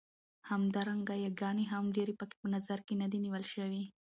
همدارنګه ياګانې هم ډېرې پکې په نظر کې نه دي نيول شوې.